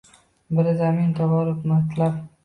Biri zamin, tabarruk matlab